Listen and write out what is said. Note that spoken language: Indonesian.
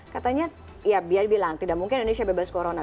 katanya ya biar dibilang tidak mungkin indonesia bebas corona